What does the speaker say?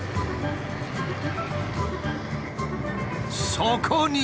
そこに。